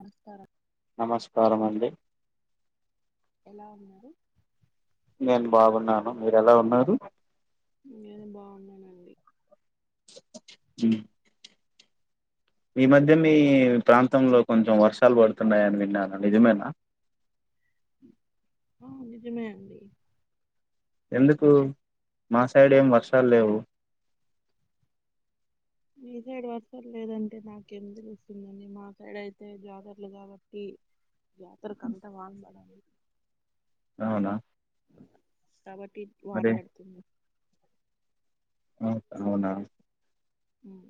నమస్కారం నమస్కారం అండి ఎలా ఉన్నారు నేను బాగున్నాను మీరు ఎలా ఉన్నారు నేను బాగున్నానండి ఉ ఈ మధ్య మీ ప్రాంతంలో కొంచెం వర్షాలు పడుతున్నాయని విన్నాను నిజమేనా ఆ నిజమే అండి ఎందుకు మా సైడ్ ఏం వర్షాలు లేవు మీ సైడ్ వర్షాలు లేదంటే నాకేం తెలుస్తుందని మా సైడ్ అయితే జాతర్లు కాబట్టి జాతరకంతా వాన పడాలి అవునా కాబట్టి మరి మాట్లాడుతున్న అవు సార్ అవునా ఉమ్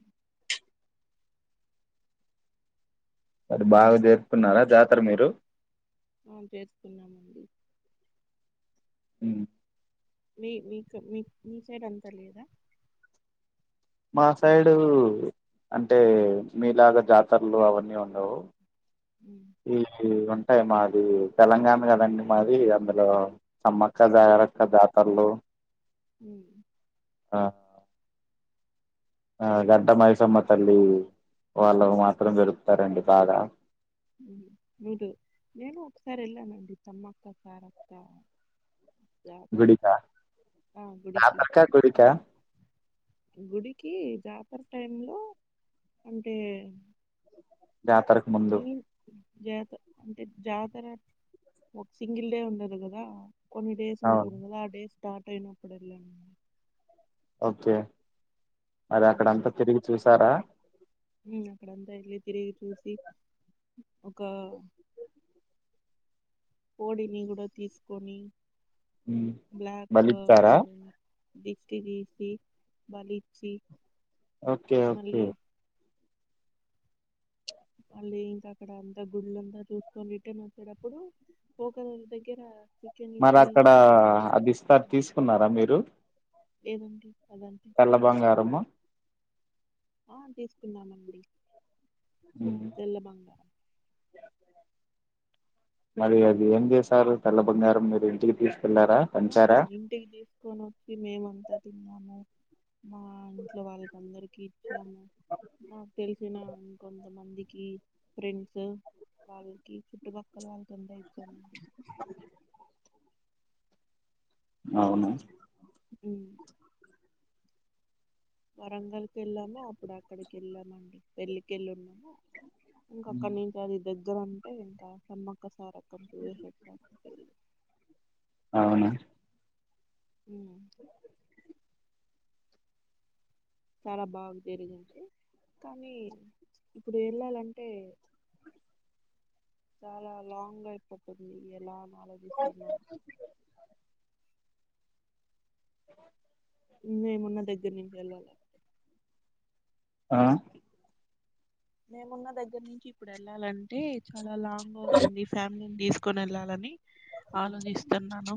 మరి బాగా చేస్తున్నారా జాతర మీరు ఆ చేసుకున్నానండి హు మీ మీకు మీ మీ సైడ్ అంతా లేదా మా సైడు అంటే మీలాగా జాతరలు అవన్నీ ఉండవు ఉమ్, [unintelligible] అంటయి మాది తెలంగాణ కదండి మాది అందులో సమ్మక్క జాగరక్క జాతర్లు హూ ఆ ఆ గడ్డ మైసమ్మ తల్లి వాళ్ళు మాత్రం జరుపుతారండి బాగా నూడు నేను ఒకసారి వెళ్లానండి సమ్మక్క సారక్క జాతరకి గుడికా ఆ గుడికి జాతరక గుడిక గుడికి జాతర టైం లో అంటే జాతరకు ముందు జాతర అంటే జాతర ఒక సింగిల్ డే ఉండదు కదా కొన్ని డేస్ అవును ఉంటది కదా ఆ డే స్టార్ట్ అయినప్పుడు వెళ్లానండి ఓకే అది అక్కడ ఉమ్, అంతా తిరిగి చూసారా అక్కడంతా వెళ్ళి తిరిగి చూసి ఒక కోడిని కూడా తీసుకొని హ్మ్. బ్లాక్ బలిచ్చారా కోడిని దిష్టి తీసి బలి ఇచ్చి ఓకే ఓకే మళ్ళీ మళ్ళీ ఇంకా అక్కడ అంతా గుళ్లంతా చూసుకొని రిటర్న్ వచ్చేటప్పుడు పోగద దగ్గర చికెన్ మరి ఇచ్చి అక్కడ చేస్- అది ఇస్తారు తీసుకున్నారా మీరు ఏదండి తెల్ల బంగారము ఆ తీసుకున్నామండి హ్మ్. తెల్ల బంగారం మరి అది ఏం చేశారు తెల్ల బంగారం మీరు ఇంటికి తీసు ఆ ఇంటికి తీసుకొని వచ్చి మేమంతా తిన్నాము మా ఇంట్లో వాళ్ళకి అందరికి ఇచ్చాము నాకు తెలిసిన కొంత మందికి ఫ్రెండ్స్ వాళ్ళకి చుట్టుపక్కల వాళ్ళకి అంత ఇచ్చాము అవును ఉ వరంగల్ కి వెళ్ళాము అప్పుడు అక్కడికి వెళ్ళామండి పెళ్లికేళ్ళి ఉన్నాము ఇంకా అక్కడి నుంచి అది దగ్గర అంటే ఇంకా సమ్మక్క సారక్క కమ్ పోయేసివచ్చాం తెలీదు అవునా ఉ చానా బాగా జరిగింది కానీ ఇప్పుడు వెళ్ళాలంటే చాలా లాంగ్ అయిపోతుంది ఎలా అని ఆలోచిస్తాన్న [inaudible] మేము వున్న దగ్గర నుంచి వెళ్ళాలాంటే ఆ మేమున్న దగ్గర నుంచి ఇప్పుడు వెళ్ళాలంటే చాలా లాంగ్ అవుతుంది ఫ్యామిలీ తీసుకొని వెళ్ళాలని ఆలోచిస్తున్నాను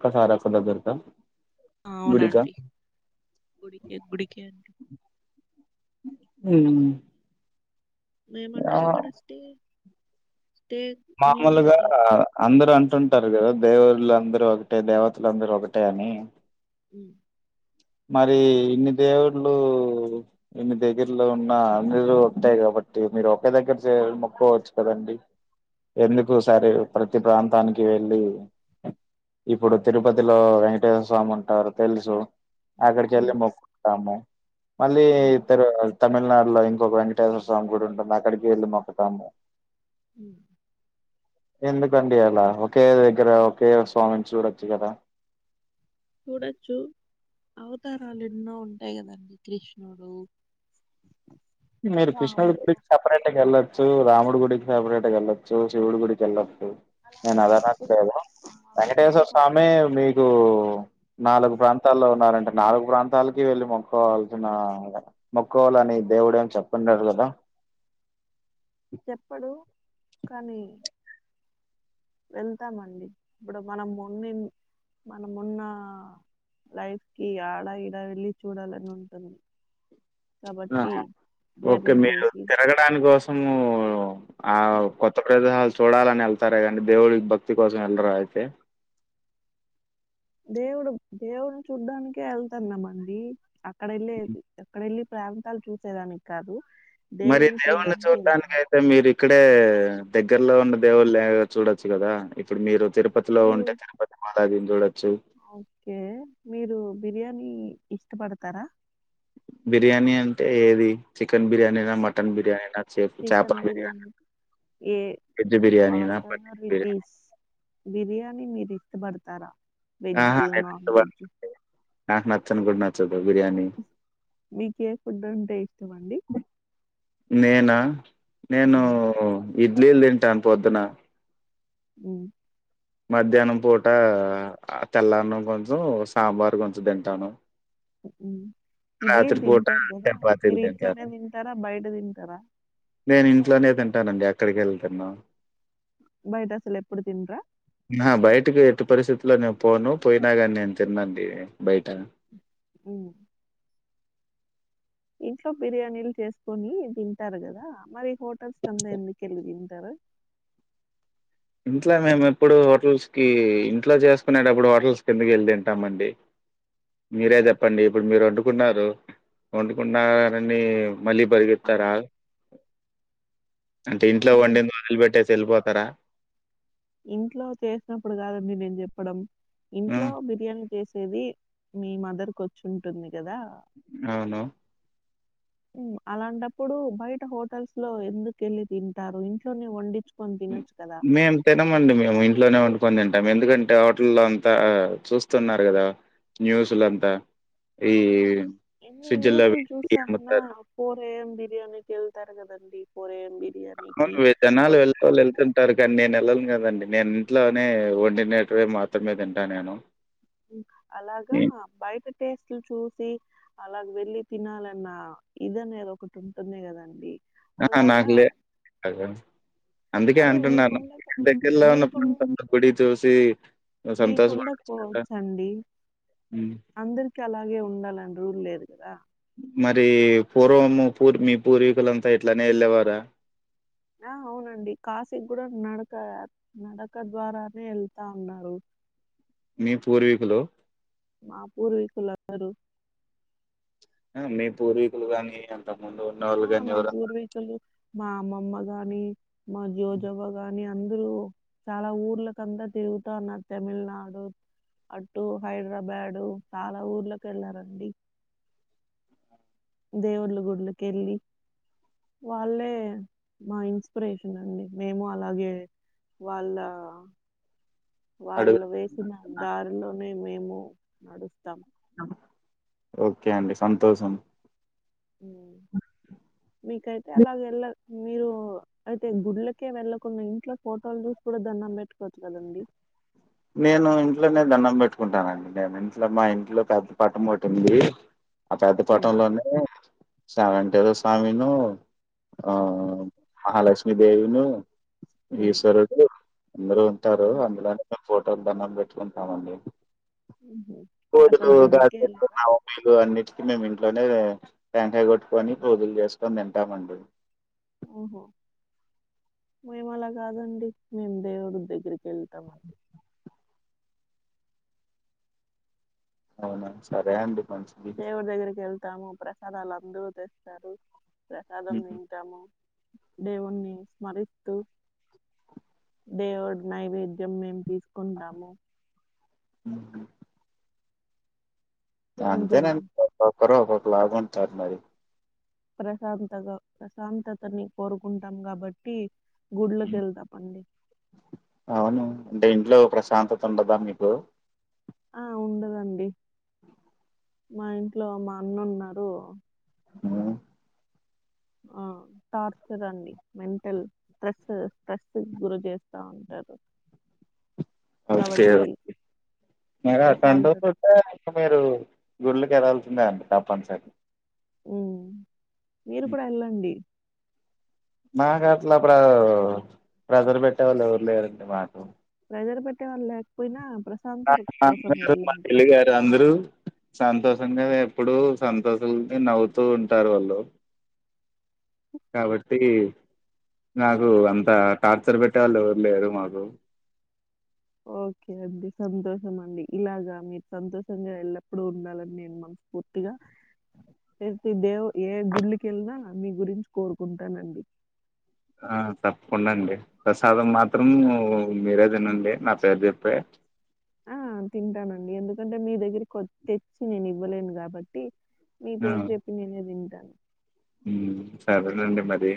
ఒకసారి వస్తే బయలదేరుతాం అవునండి గుడికే గుడికే అండి ఉ ఊ మేమంటే అక్కడ స్టే స్టే నిన్ మామూలుగా ఉమ్ అందరు అంటుంటారు కదా దేవుళ్ళందరు ఒకటే దేవతలందరు ఒకటే అని ఉ మరి ఇన్ని దేవుళ్ళు ఇన్ని దగ్గర్లో ఉన్న అందరూ ఒకటె కదా కాబట్టి మీరు ఒకే దగ్గర మొక్కోవచ్చు కదండి ఎందుకు సరే ప్రతి ప్రాంతానికి వెళ్ళి ఇప్పుడు తిరుపతిలో వెేంకటేశ్వర స్వామి ఉంటారు తెలుసు అక్కడికి వెళ్లి ఉమ్ మొక్కుతాము మళ్ళీ ఉమ్ ఇత్తరు కావా తమిళనాడులో ఇంకొక వెంకటేశ్వర స్వామి గుడి ఉంటుంది అక్కడికి వెళ్ళి మొక్కుతాము ఉ ఎందుకండి అలా ఒకే దగ్గర ఒకే స్వామిని చూడచ్చు కదా చూడచ్చు అవతారాలు ఎన్నో ఉంటాయి కదండి కృష్ణుడు మరి కృష్ణు రాముడు గుడికి సపరేట్ గా ఎల్లచ్ చ్చు రాముడు గుడికి సపరేట్ వెళ్ళొచ్చు శివుడి గుడికి వెళ్ళొచ్చు నేను అలాగే అది అప్పుడు అనట్లేదు ఆ వెంకటేశ్వర ప్రాంతాలు స్వామి మీకు నాలుగు ప్రాంతాల్లో ఉన్నారంటే నాలుగు ప్రాంత తలకి వెళ్ళి మొక్కోవల్సిన మొక్కోవాలని దేవుడేం చెప్పిండడు కదా చెప్పడు కానీ వెళ్తామండి ఇప్పుడు మనం ఉన్నిన్ మనం ఉన్న లైఫ్‌కి అడఇడా వెళ్లి చూడాలని ఉంటది ఆ ఓకే మీరు చేసి తిరగడానికోసము ఆ కొత్త ప్రదేశాలు చూడాలని ఎళ్తారే కానీ దేవుడికి భక్తి కోసం వెళ్లారా అయితే దేవుడు దేవుడిని చూడ్డానికే ఎళ్తాన్నామండి అక్కడ ఎళ్ళేసి అక్కడెళ్ళి ప్రాంతాలు చూసేదానికి కాదు మరి దేవుణ్ణి దేవుని చూడ్డానికి చూడనికి వెళ్తున్నా అయితే మీరు ఇక్కడే దగ్గరలో ఉండే దేవుళ్ళ చూడచ్చు కదా ఇప్పుడు మీరు తిరుపతిలో మీరు ఉంటే తిరుపతి మారాజుని చూడ ఓకే మీరు బిర్యానీ ఇష్టపడతారా బిర్యానీ అంటే ఏది చికెన్ బిర్యానీన మటన్ బిర్యానీనా చెప్ చాప బిర్యానీ ఏ వెజ్ వాట్ బిర్యానీనా? Ever paneer it biryani is biryani మీరు ఇష్టపడతారా ఆహా! వెజ్జ్ నేను నాన్ వెజ్ ఇష్టపడనండి. నాకు నచ్చను కూడా నచ్చదు బిర్యానీ మీకే ఫుడ్ అంటే ఇష్టం అండి నేనా ఆ, నేను ఇడ్లీలు తింటాను పొద్దున ఉమ్మ్ మధ్యాహ్నం పూట తెల్లన్నం కొంచెం సాంబార్ కొంచెం తింటాను ఉమ్మ్ ఇడ్లీలు రాత్రి పూట తింటారు కదా చపాతీలు మీరు తింటాను. ఇట్లోనే తింటారా బయట తింటారా నేను ఇంట్లోనే తింటానండి ఎక్కడికేళ్ళి తిన్ను బైట అసలు ఎప్పుడు తిన్రా ఆ బయటకి ఎట్టు పరిస్థితులో నేను పోను పోయినా కాని నేను తిన్నాండి బయట ఉమ్మ్ ఇంట్లో బిర్యానీలు చేసుకొని తింటారు కదా మరి హోటల్స్ కంతా ఎందుకు ఎల్లి తిం టరు ఇంట్లో మేము ఎప్పుడు హోటల్స్‌కి ఇంట్లో చేసుకునేటప్పుడు హోటల్స్ కెందుకు ఎళ్ళి తింటామండి మీరే చెప్పండి ఇప్పుడు మీరు వండుకున్నారు వండుకున్నరని మళ్ళీ బరిగేడతారా అవును. అంటే ఇంట్లో మీ వండింది వదిలిపెట్టేసి ఎళ్ళిపోతారా ఇంట్లో చేసినప్పుడు కాదండి నేను చెప్పడం ఇంట్లో హ్మ్ బిర్యానీ చే సేది మీ మదర్కు వచ్చి ఉంటుంది కదా అవును ఉమ్మ్ అలాంటప్పుడు బయట హోటల్స్ లో ఎందుకేళ్ళి తింటారు ఇంట్లోనే వండిచు కోని హ్మ్. తినచ్చు కదా మేము తినమండి మేము ఇంట్లోనే వండుకొని తింటాం ఎందుకంటే హోటల్లో అంతా చూస్తున్నారు కదా న్యూస్లు అంతా ఈ ఎన్ని ఫ్రిడ్జ్లో న్యూస్లు పెట్టి చూశామన్న అమ్ముతారు ఫోరేయం బిర్యానీకేళ్తారు కదండి ఫోర్ ఎయం బి అవును వే జనాలు వెళ్ళేవోళ్ళు వెళ్తుంటారు కానీ నేను ఎళ్ళను కదండి నేను ఇంట్లోనే వండినేటివే మాత్రమే తింటా నేను ఉమ్ అలాగా హ్మ్. బయట టేస్ట్లు చూసి అలాగ వెళ్ళి తినాలన్నా ఇద అనేది ఒకటి ఉంటుంది గదండి అహ నాకులే అందుకే అదే అంటున్నాను మీకుండక దగ్గర్లో ఉన్న ప్రాంతంలో గుడి చూసీ మీకుండక్ పో చండి హ్మ్. అందరికి అలాగే ఉండాలని రూల్ లేదు గదా మరీ పూర్వము పూర్మి పూర్వీకులంతా ఇట్లనే ఎళ్ళేవారా ఆ అవునండి కాశీ కూడా నడక నడక ద్వారానే ఎళ్తా ఉన్నారు మీ పూర్వీకులు మా పూర్వీకులందరు అమీ పూర్వ కుల్గానీ ఆ మా పూర్వీకులు మా అమ్మమ్మ గానీ మా జోజవ్వ గాని అందరూ చాలా ఊర్లకంతా తిరుగుతా ఉన్నార్ తమిళ్నాడు అటు హైద్రబాడూ చాలా ఊర్లకి ఎళ్లారండి దేవుళ్ళ గుడ్లకెళ్ళి వాళ్ళే మా ఇన్స్పిరేషన్ అండి మేము అలాగే వాళ్ళా అడుగు వాళ్ళు వేసిన దారిలోనే మేము నడుస్తాం ఓకే అండి సంతోషం మ్ మీకైతే అలాగ ఎల్ల మీరు అయితే గుడ్లకే వెళ్ళ పొని ఇంట్లో ఫోటోలు చూసి కూడా దండం పెట్టుకోచ్చు కదండి నేను ఇంట్లోనే దండం పెట్టుకుంటానండి నేను ఇంట్లో మా ఇంట్లో పెద్ద పటం పటింది ఆ పెద్ద ఉమ్ పటంలోనే సవెంటేర స్వామినూ ఆ మహాలక్ష్మీదేవినూ ఉమ్ ఈశ్వరుడు అందరు ఉంటారు ఉహ్, అందులోనే ఫోటోకు దండం పెట్టుకుంటామండి ఉహు అసలు కోడులు గుళ్ళకే గాజలు వెళ్ళదా నవమీలు అన్ని మేము ఇంట్లోనే టెంకాయ్ కొట్టుకొని పూజలు చేసుకొని తింటామండి మ్ హ్ మేము అలా గాదండి మేము దేవుడి దగ్గరికి ఎళ్తామ్ అండి అవునా సరే అండి మంచిది దేవుడి దగ్గరికి ఎళ్తాము ప్రసాదాలు అందరు తెస్తారు ప్రసాదం ఉమ్, తింటాము దేవుణ్ణి స్మరిస్తూ దేవుడ్ నైవేద్యం మేము తీసుకుంటాము ఉ కొంచెం అంతేనే ఒక్కొక్కరు ఒక్కొక్కలాగ ఉంటారు మరి ప్రశాంతగా ప్రశాంతతని కోరుకుంటాం కాబట్టి గుడ్లక్ ఉమ్. ఎళ్తాపండి ఏ ఇంట్లో ప్రశాంతత ఉండదా మీకు ఆ ఉండదండి మా ఇంట్లో మా అన్న ఉన్నాడూ ఆ ఆ టార్చర్ అండి మెంటల్ స్ట్రెస్ స్ట్రెస్ గురు చేస్తా ఉంటారు [inaudible] ఓకే కాబట్టి ఓకె మిరూ అట్ల ప్రశాంతత ఉంటే ఇంక మీరూ గుడ్లకి ఎల్లాల్సిందే అండి తప్పనిసరి మ్ మీరు కుడా ఎళ్ళండి మాకు అట్లా ప్రా ప్రెజర్ పెట్టేవాళ్ళు ఎవరు లేరండి మాకు ప్రెజర్ పెట్టే వాళ్ లేకపోయినా ప్రశాంతత కోసం [unintelligible] మా వెళ్ళండి. పెళ్లిగారు అందరూ సంతోషంగదే ఎప్పుడూ సంతోకెల్లి నవ్వుతూ ఉంటారు వాళ్ళు కాబట్టీ నాకూ అంతా టార్చర్ పెట్టే వాళ్ళు ఎవరు లేరు మాకు ఓకే అండి సంతోషం అండి ఇలాగా మీరు సంతోషంగా ఎల్లప్పుడుూ ఉండాలని నేను మన్స్ ఉత్తిగా తెతే దేవ్ ఏ గుడ్లకి ఎల్నా నీ గురించి కోరుకుంటానండి ఆ తప్కుండా అండి ప్రసాదం మాత్రం మీరే దినండి నా పేరు చెప్పే ఆ తింటానండి ఎందుకంటే మీ దగ్గర కొ తెచ్చి నేను ఇవ్వలేను గాబట్టి మీ పేరు చెప్పి నేనే దింటాను ఊ సరేనండి మరీ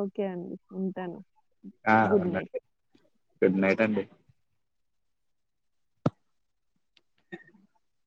ఓకే అండి ఉంటాను ఆ గుడ్ నైట్. ఉండండి గుడ్ నైట్ అండి [inaudible]